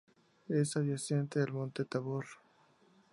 Es adyacente al Monte Tabor.